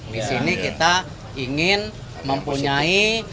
disini kita ingin mempunyai